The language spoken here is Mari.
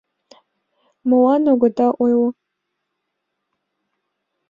— Молан огыда ойло?